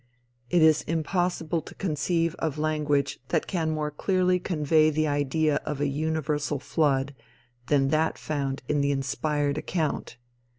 It is impossible to conceive of language that can more clearly convey the idea of a universal flood than that found in the inspired account.